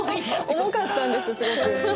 重かったんですすごく。